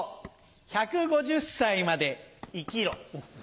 １５０歳まで生きろ。